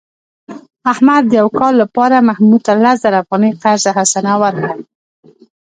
احمد د یو کال لپاره محمود ته لس زره افغانۍ قرض حسنه ورکړه.